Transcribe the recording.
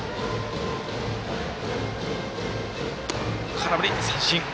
空振り三振。